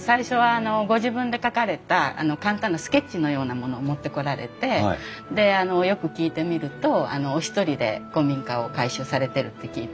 最初はあのご自分で描かれた簡単なスケッチのようなものを持ってこられてでよく聞いてみるとお一人で古民家を改修されてるって聞いて。